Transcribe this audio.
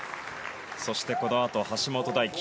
そして、このあと橋本大輝。